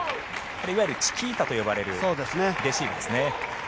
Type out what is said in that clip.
いわゆるチキータと呼ばれるレシーブですね。